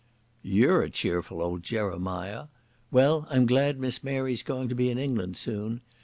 "You're a cheerful old Jeremiah. Well, I'm glad Miss Mary's going to be in England soon.